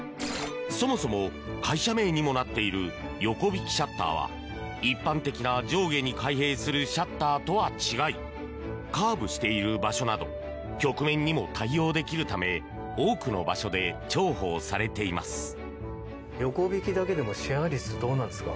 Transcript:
そもそも会社名にもなっている横引シャッターは一般的な上下に開閉するシャッターとは違いカーブしている場所など曲面にも対応できるため多くの場所で重宝されています。